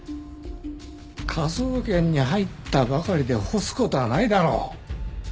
科捜研に入ったばかりで干す事はないだろう！